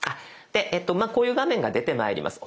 でこういう画面が出てまいります。